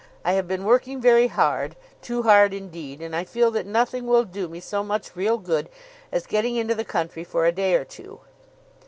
I have been working very hard, too hard indeed, and I feel that nothing will do me so much real good as getting into the country for a day or two.